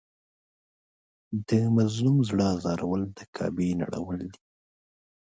د مظلوم زړه ازارول د کعبې نړول دي.